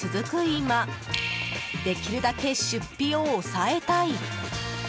今できるだけ出費を抑えたい。